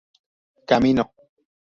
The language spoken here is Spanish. camino